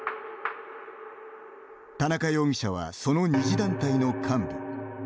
田中容疑者はその二次団体の幹部。